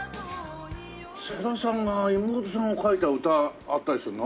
さださんが妹さんを書いた歌あったりするの？